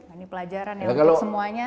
ini pelajaran ya untuk semuanya